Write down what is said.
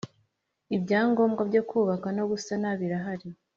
Ibyangombwa byo kubaka no gusana birahari.